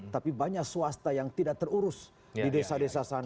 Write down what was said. tapi banyak swasta yang tidak terurus di desa desa sana